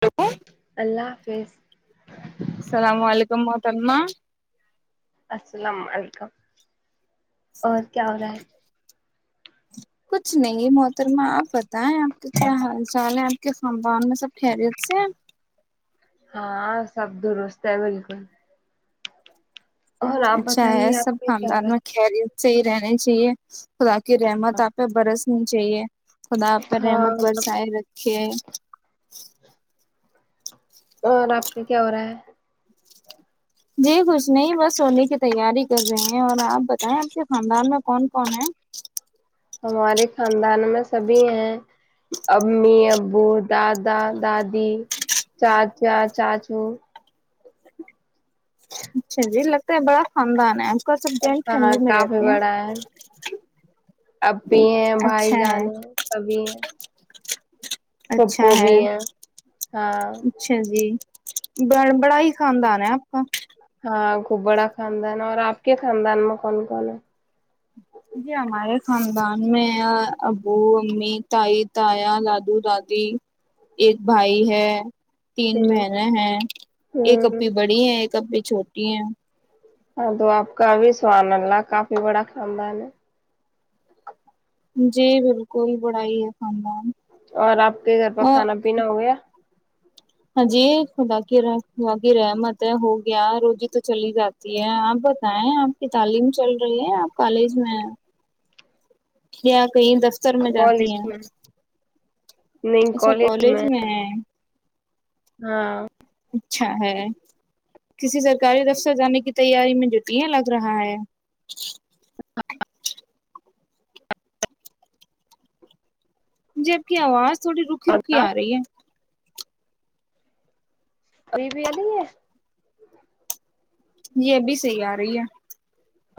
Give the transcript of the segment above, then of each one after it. Hello اللہ حافظ السلام علیکم تم السلام علیکم اور کیا ہو رہا ہے کچھ نہیں محترما آپتا بتا ہے آپ کا کیا حال سال ہے آپ کے خانبان میں سب خیریت سے ہیں ہاں سب درست ہے بالکل اور آپ اچھا ہے بتائیے آپ سب کا کیا ہو خاندان رہا میں ہے کریی صحیح رہنا چاہیے خدا کہ رحمت آپ برس نہیں چاہیے خدا پر ہاں رحمت سب بسائے رکھے اور آپ کا کیا ہو رہا ہے جی کچھ نہیں بس ہولی کی تیاری کر رہے ہیں اور آپ بتائیں آپ کے خاندان میں کون کون ہے ہمارے خاندان میں سبھی ہیں امی ابو دادا دادی چاچا چاچو اچھا جی لگتا ہے بڑا خاندان ہے کا سب جوائنٹ ہاں فیملی میں کافی رہتے ہیں اب بھی ہیں بھائی اچھا ہے جان سبھی ہیں اچھا پھپھو بھی ہے ہیں ہاں اچھا جی ب بڑا ہی خاندان ہے آپ کا ہاں خوب بڑا خاندان ہے اور آپ کے خاندان میں کون کون ہے جی ہمارے خاندان میں ابو امی تائی تایا لادو دادی ایک بھائی ہے تین ہوں بہنیں ہیں ایک ہوں اپی بڑی ہے ایک اپ چھوٹی ہیں ہاں تو آپ کا ابھی سوان اللہ کافی بڑا خاندان ہے جی بالکل بڑا ہی ہے خاندان اور آپ کے گھر پہ کھانا پینا ہو گیا ہاں جی خدا کی خدا کی رحمت ہے ہو گیا روزی تو چلی جاتی ہے آپ بتائیں آپ کی تعلیم چل رہی ہے آپ کالج میں ہیں کیا کہیں دفتر میں جاتی کالج ہیں میں اچھا کالج میں ہے ہاں اچھا ہے کسی سے سرکاری دفتر جانے کی تیاری میں جھوٹی ہوں لگ رہا ہے جب اپ کی اواز تھوڑے رکے اور رکی ا آپ رہی ہے اور ابھی بھی ا رہی ہے یہ ابھی صحیح آ رہی ہے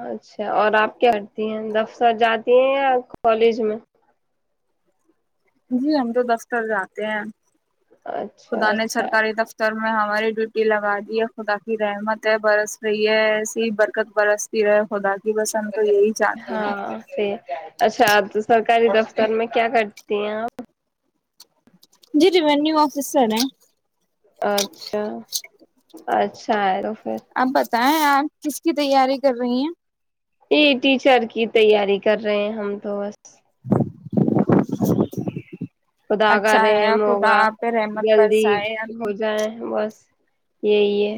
اچھا اور آپ کیا کرتی ہیں دفتر جاتی ہیں یا کالج میں جی ہم تو دفتر جاتے ہیں اچھا خدا نے اچھا سرکاری دفتر میں ہماری ڈوٹی لگا دی ہے خدا کی رحمت ہے برس رہی ہے ایسی ہی برکت برستی رہے خدا کی بس ہم تو یہی چاہتے ہیں ہاں اچھا سرکاری دفتر میں کیا کر کرتی ہیں اپ جی ریوینیو آفیسر ہیں اچھا اچھا رو اپ بتیں آپ کس کی تیاری کر رہی ہیں یہ ٹیچر کی تیاری کر رہے ہیں ہم تو بس [inaudible] خداخر اچھا ہے رحم خدا ہوگا آپ پہ رحمت جلدی برسائے ہو جائے بس یہی ہے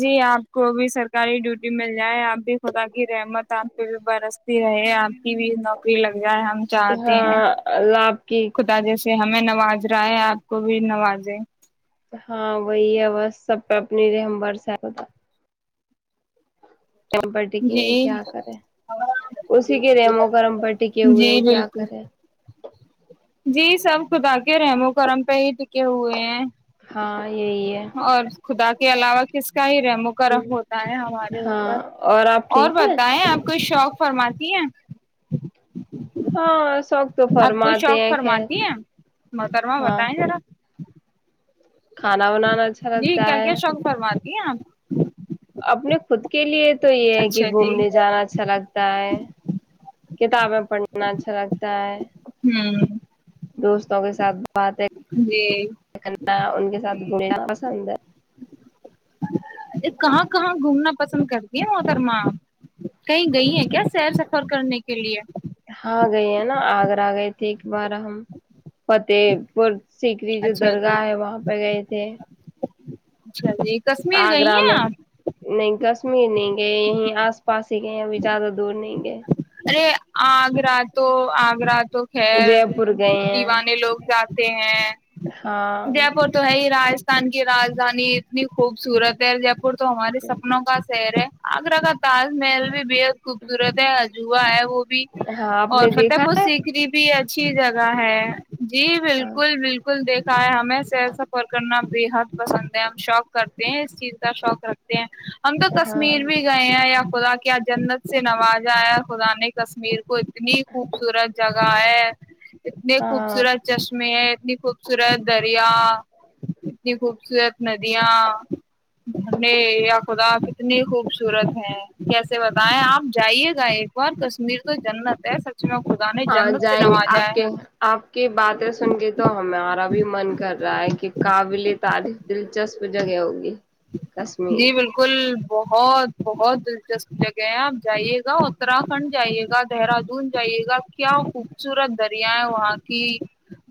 جی آپ کو بھی سرکاری ڈیوٹی مل جائے آپ بھی خدا کی رحمت آپ پ بھی برستی رہے آپ کی بھی نوکری لگ جائے آ ہاں اللہ اپ کی خدا جیسے ہمیں نواز رہا ہے آپ کو بھی نوازے ہاں وہی ہے بس سب پ اپنی ر ہم با رم پر ٹکے ہیں جی کیا کرے اسی کے ریموں کرم پر ٹکے ہوئے جی ہیں کیا بالکل کرے جی سب خدا کے رحمو کرم پہ ہی ٹکے ہوئے ہیں ہاں یہی ہے اور خدا کے علاوہ کس کا ہی رحم و کام ہوتا ہے ہمارے اوپر ہاں آپ اور ٹھیک بتائیں ہے آپ کوئی شوق فرماتی ہیں ہاں شوق تو آپ کوئی فرماتے شوق ہیں خیر فرماتی ہیں محترمہ ہاں بتائیں ذرا کھانا بنانا اچھا لگتا ہے [inaudible] ‌آپ اپنے خود کے لیے تو یہ ہے کہ اچھا جی گھومنے جانا اچھا لگتا ہے کتابیں پڑھنا اچھا لگتا ہے ہوں دوستوں کے ساتھ بات ہے جی کرنا ان کے ساتھ گھومنا پسند ہے کہاں کہاں گھومنا پسند کرتی ہے محترمہ کہیں گئی ہیں کیا سیر سفر کرنے کے لیے ہاں گئی ہے نا آگرہ گئے تے ایک بار ہم فتح پور سیکری جو اچھا جی درگاہ ہے وہاں پہ گئے تھے اچھا جی کشمیر گئی آگرہ ہیں میں آپ نہیں کشمیر نہیں گئے یہیں آس پاس ہی گئے ابھی زیادہ دور نہیں گئے ارے آگرہ تو آگرہ تو خیر جے پور گئے ہیں دیوانے لوگ جاتے ہیں ہاں دیا پور تو ہے ہی راج راجستان کی راجدانی اتنی خوبصورت ہے جب تو ہمارے سپنوں کا شہر ہے آگرہ کا تاج محل بھی بےحد خوبصورت ہے [inaudible] ہے وہ بھی ہاں آپ اور نے فتح دیکھا پور ہے سیکری بھی اچھی ا کی جگہ ہے جی ہاں بالکل بالکل دیکھ ہمیں سیر سفر کرنا بےحد پسند ہے ہم شوق کرتے ہیں اس چیز کا شوق رکھتے ہیں ہم تو ہاں کشمیر بھی گئے ہیں یا خدا کیا جنت سے نوازا خدا نے کشمیر کو اتنی خوبصورت جگہ ہے اتنے ہاں خوبصورت چشمے ہیں اتنی خوبصورت دریا اتنی خوبصورت ندیاں یا خدا کتنی خوبصورت ہے کیسے بتائیں آپ جائیے گا ایک کشمیر تو جنت ہے میں خدا نے ہاں جنت سے جائیں گے آپ نوازا کے ہے آپ کی باتیں سن کے تو ہمارا بھی من کر رہا ہے کہ قابل تاریف دل دلچسپور جگہ ہوگی کشمیر جی بالکل بہت بہت دلچسپ جگہ ہے آپ جائیے گا اتراک کھنڈ جائیے گا دہرادون جائیے گا کیا خوبصورت دریا ہے وہاں کی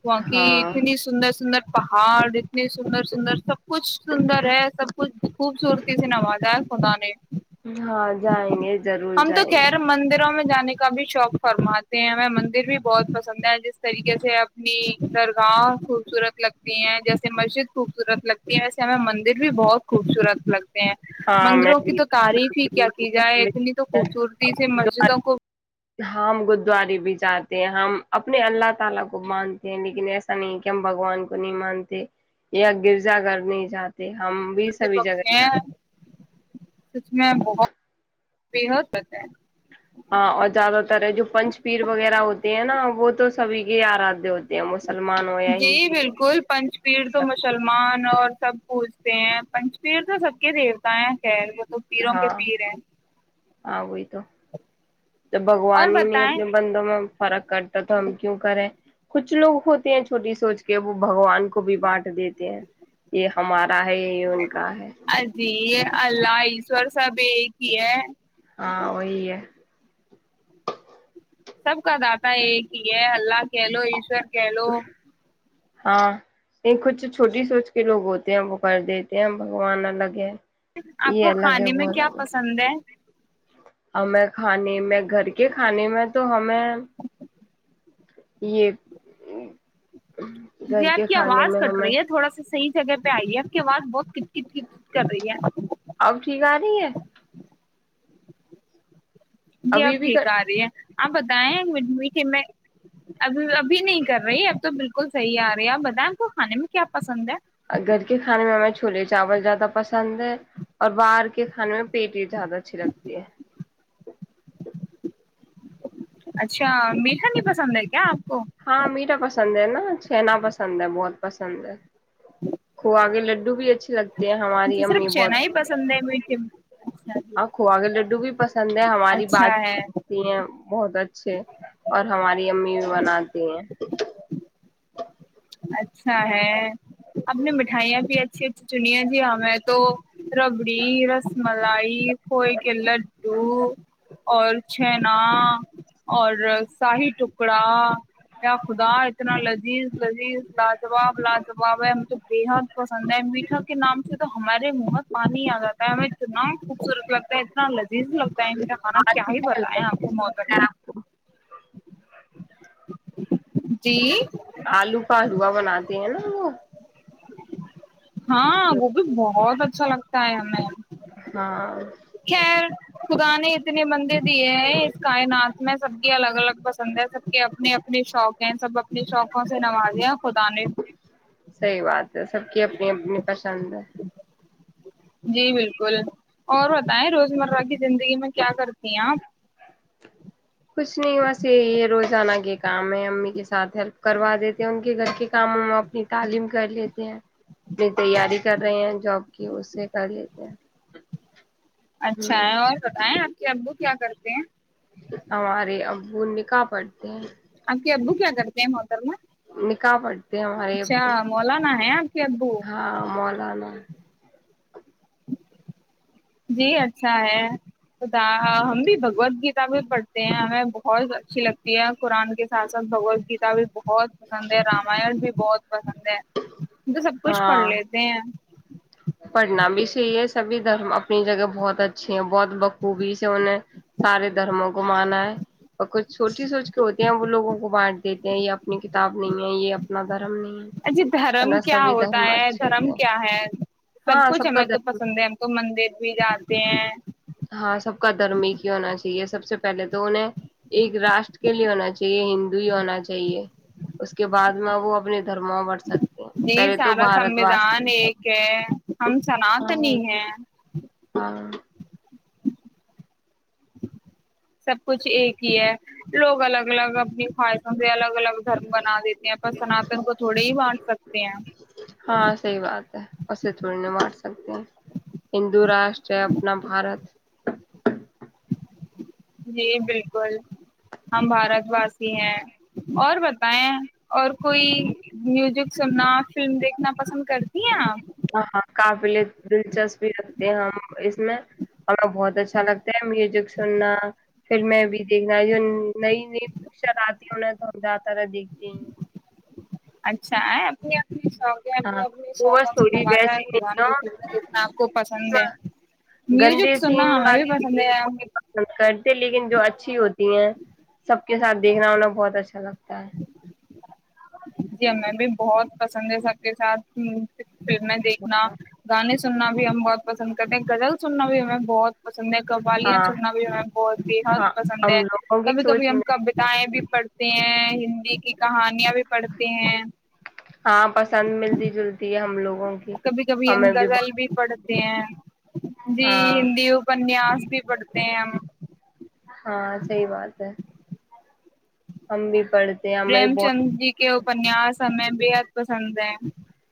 بق ہاں اتنی سندر سندر پہاڑ اتنے سندر سندر سب سب کچھ سندر ہے سب کچھ خوبصورتی سے نوازا ہے خدا نے ہاں جائیں گے ضرور ہم تو جائیں گے خیر مندروں میں جانے کا بھی شوق فرماتے ہیں ہمیں مندر بھی بہت پسند ہے جس طریقے سے اپنی درگاہ خوبصورت لگتی ہیں جیسے مسجد خوبصورت لگتی یہ ویسے ہمیں مندر بھی بہت خوبصورت لگتا ہے ہاں میں مندروں کی بھی تو تعریف ہی کیا کی جائے اتنی تو خوبصورتی سے مسجدوں کو ہم ہم گرودوارے بھی جاتے ہیں ہم اپنے اللہ تعالی کو مانتے ہیں لیکن ایسا نہیں کہ ہم بھگوان کو نہیں مانتے یا گرجا گھر نہیں جاتے ہم بھی سبھی جگہ بخشے جائ ہیں اس میں بہت بےحد بت ہے ہاں اور زیادہ تر ہے جو پنچ یہ آر آ د ہو یا جی ہندو ہو بالکل پنچ پیڑھ تو سب کے۔ مسلمان اور سب پوھتے ہیں پنچ پیر تو سب کے دیو تاائیا کہ ہے وہ تو پیروں ہاں کے پیر ہیں ہاں وہئی تو تو اور بگوانی ہی نے بتائیں اپنے بندوں میں فرق کرتا تو ہم کیوں کریں کچھ لوگ ہوتے ہیں چھوٹی سوچ کے وہ بگوان کو بھی بانٹ دیتے ہیں یہ ہمارا ہے یہی ان کا ہے جی یہ اللہ اسس وورس بیکے ہاں وہی [inaudible] سب کاداتا ہے ایک ہی یہ اللہ کہہ لو ایشور گلو ہاں یہ کچھ چھوٹی سوچ کے لوگ ہوتے ہیں وہ کر دیتے ہیں بگوان الگ ہے آپ یہ کو الگ ہے کھانے وہ میں کیا الگ پسند ہے ہمیں کھانے میں گھر کے کھانے میں تو ہمیں یہ ج گھر آپ کے کی کھانے آواز میں کٹ ہمیں رہی ہے تھوڑا سا صحیح جگہ پہ آئی ہے آپ کی آواز بہت کٹ ک کٹ ک کر رہی ہے اب ٹھیک آ رہی ہے جی اب ابھی بھی ٹھیک آ رہی ہے آپ بتائیںڈ میٹھے میں ابھی ابھی نہیں کر رہی اب تو بالکل صحیح آ رہی ہے آپ بتائیں آ کو کھانے میں کیا پسند ہے گھر کے کھانے میں ہمیں چھولے چاول زیادہ پسند ہے اور باہر کے کھانے میں پیٹ ہی زیادہ اچھی لگتی ہے اچھا میٹھا نہیں پسند ہے کیا آپ کو ہاں میٹھا پسند ہے نا چھینا پسند ہے بہت پسند ہے کھو کے لڈو بھی اچھے لگتے ہیں ہماری اچھا امی صرف بہت چنا ہی پسند ہے میٹھے میں اچھا جی، ہاں کوا کے لڈو بھی پسند ہے ہماری بات اچھا ہے ہیں بہت اچھے اور ہماری امی بھی بناتی ہیں اچ اچھا ہے اپ نے مٹھائیاں بھی اچھی اچھی چنییا جی ہمیں تو ربڑی رس ملائی کوئے کے لڈو اور چنا اور شاہی ٹکڑا کیا خدا اتنا ل جی لذیذ لاجواب لاجواب ہے مجھے بےحد پسند ہے میٹھا کے نام سے تو ہمارے منہ پانی آ جاتا ہے ہمیں اتنا خوبصورت لگتا ہے اتنا لذیذ ز لگتا ہے میرا کھانا کیا آلو ہی بتیا آپ کو مت کا جی آلو پلوا بناتے ہیں نا وہ ہاں گوب با بہت اچھا لگتا ہے ہمیں ہاں خرے اتنے بندے دیے ہیں اس کائنات اس میں سب کی الگ الگ پسند ہے سب کے اپنے اپنے شوق ہیں سب اپنے شوقوں سے نوازے خدا نے صحیح بات سب کی اپنی اپنی پسند ہے جی بالکل اور بتائیں روزمرہ کی زندگی میں کیا کرتی ہیں آپ کچھ نہیں بس یہی ہے رو [inaudible] جانا کے کام ہے امی کے سھ ہیلپ [inaudible] کروا دیتے ہیں ان کے گھر کے کاموں اپنی تعم کر لیتے ہیں اپنی تیاری کر رہے ہیں جاب کی اس سے کر لیتے ہیں [inaudible] اچھا ہوں ہے اور بتائیں آپ [inaudible] کہ ابو کیا کرتے ہیں [inaudible] ہمارے ابو نکاح پڑتے ہیں [inaudible] بک کیا ا کر ائم ہوتارا [inaudible] [inaudible] ہمار مولانا ہے آپ کے ہاں ابو ملاانا [inaudible] جی اچھا ہے ہم بھی بھگوت گیتا بھی پڑھتے ہیں ہمیں بہت اچھی لگتی ہے قرآن کے ساتھ ساتھ بگوود گیتا بھی بہت پسند ہے راماائن ج [inaudible] بہت [inaudible] پسند ہے ہم تو سب کچھ پڑھ ہاں لیتے ہیں [inaudible] پڑھنا بھی صحیح ہے سبھی دھرم اپنی جگہ بہت اچھی ہیں بہت بخوبی سے انہیں سارے دھرموں کو مانا ہے اور کچھ سوٹی سوچ ہوتے ہیں وہ لگوں کو بانٹ [inaudible] یہ اپنی کتاب نہیں ہے یہ [inaudible] ندر [inaudible] اچھے دھرم کیا ہوتا ہے اچھے ہوتے دھرم ہیں کیا ہے [inaudible] سب ہاں کچھ کا ہمیں تو دھرم پسند ہے ہم کو مندر بھی جاتے ہیں ہاں سب کا دھرم ہی کی ہونا چاہیے سب سب سے پہلے تو انہیں ایک راشٹر کے لیے ہونا چاہیے ہند ہی ہونا چاہیے اس کے بعد میں وہ اپنے دھرموں بڑھ سکتے ہیں جی پہلے تو سارا بھارت سنوھان واسی ایک ہے ہم سنتنی ہاں ہی ہے ہاں سب کچھ ایک ہی ہے لوگ الگ الگ اپنی خواہشوں سے الگ الگ دھرم بنا دیتے ہیں پر سناتن کو تھوڑے ہی بانٹ سکتے ہیں ہاں صی بات ہے اسے تھوڑی نہیں بانٹ سکتے ہیں ہندو راشٹر ہے اپنا بھارت جی بالکل ہم بھارت واسی ہیں اور ب اور کوئی میوزک سننا فلم دیکھنا پسند کرتی ہیں آپ ہاں ہاں کافلے دلچسپی رکھتے ہیں ہم اس میں ہمیں بہت اچھا لگتا ہے میوزک سننا پھر میں بھی دیکھنا جو نئی نئی پکچر آتی انیں تو ہم زیادہ تر دیکھتے ہی اچھا اپ ہاں وہ بس تھوڑی نوازا ہے ویسی خدا نہیں نے فلمیں دیکھنا آپ کو پسند ہو ہے میوزک گندے سننا سین ہمیں بھی والی پسند ہوتی ہے وہ بھی پسند کرتے لیکن جو اچھی ہوتی ہیں سب کے سھیکھنا بہت اچھا لگتا ہ جییں بھی بہت پسند ہے سب کے ساتھ پھرنا دیکھنا گانے سننا بھی ہم بہت پسند کرتے ہیں زل سننا بھی ہم میں بہت قوالیاں ہاں چننا بھی ہمیں بہت بےحد ہاں پسند ہے ہم لوگوں کی کبھی سوچ کبھی ہم میں کتایں بھی پڑھ ہیں ہندی کی کہانیاں بھی پڑھتے ہیں ہاں پسند ملتی جلتی ہے ہم لوگ کبھی کبھی ہم غغل بھی پڑھتے ہیں جی ہاں ہندی اپنیاس بھی پڑھتے ہیں ہم ہاں سحی بات ہے امی پریم چند جی کے او پنیاسیں بےحد پسند ہے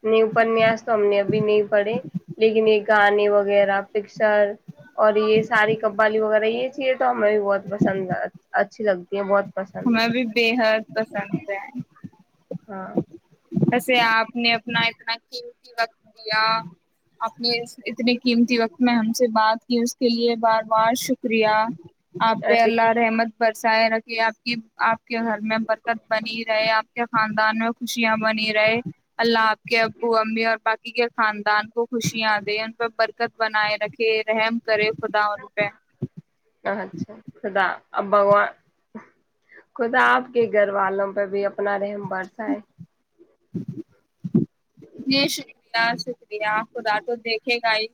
نہیں اپنیاس تو ہم نے ابھی نہیں پڑھے لیکن یہ گانے وغیرہ پکچر اور یہ ساری قوالی وغیرہ یہ چیے تو ہمیں بھی بہت پسند اچھی لگتی ہے بہت پسند ہمیں بھی ہے بےحد پسند ہے ہاں ویسے آپ نے اپنا اتنا قیمتی وقت دیا آپ نے اتنے قیمتی وقت میں ہم سے بات کی اس کے لیے بار بار شکریہ آپ پہ اللہ رحمت برسہ ہے نہ کہ آپ کی آپ گھر میں ہم برکت بنی ہی رہے آپ کیا خاندان میں خوشیاں بنی رہے اللہ آپ کے ابو امی اور باقی کے خاندان کو خوشیاں دے ان پہ برکت بنائے رکھے رہ کرے خد ر پہ ا بگوان خدا آپ کے گھر والوں پہ بھی اپنا رحم برسا ہے [unintelligible] جی شکریہ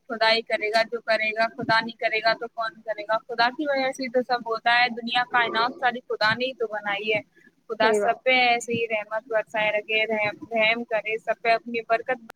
خدائی کرے گا جو کرے گا خدا نہیں کرےا تو کون کرے گا خدا کی وجہسی سب ہوتا ہے دنیا کا انعام ساری خدا نہیں تو بنائیے خدا صحیح بات سب ایسے ہی رہ [unintelligible] برکت